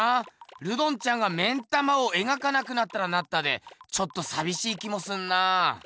ルドンちゃんが目ん玉を描かなくなったらなったでちょっとさびしい気もするなあ。